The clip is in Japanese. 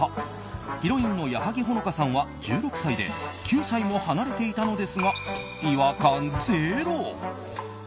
ヒロインの矢作穂香さんは１６歳で９歳も離れていたのですが違和感ゼロ。